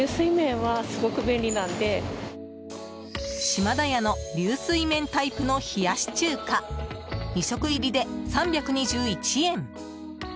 シマダヤの流水麺タイプの冷やし中華２食入りで３２１円。